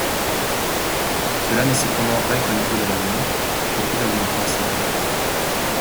Cela n'est cependant vrai qu'au niveau de la mer, l'altitude augmentant ces valeurs.